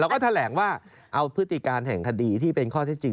เราแถลงว่าเอาพฤติการณ์ของการคณะที่เป็นข้อที่จริง